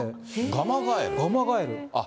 ガマガエル。